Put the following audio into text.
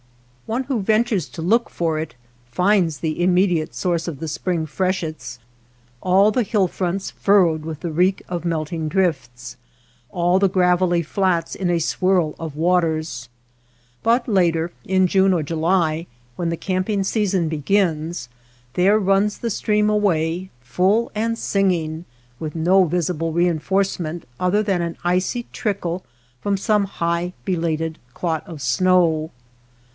One who ventures to look for it finds the immediate source of the spring freshets — all the hill fronts fur rowed with the reek of melting drifts, all the gravelly flats in a swirl of waters. But later, in June or July, when the camping season begins, there runs the stream away full and singing, with no visible reinforce 206 WATER BORDERS ment other than an icy trickle from some high, belated clot of snow.